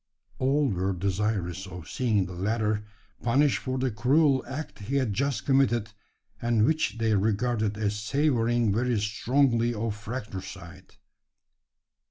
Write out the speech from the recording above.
All were desirous of seeing the latter punished for the cruel act he had just committed, and which they regarded as savouring very strongly of fratricide.